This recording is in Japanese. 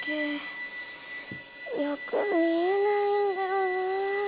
よく見えないんだよなあ。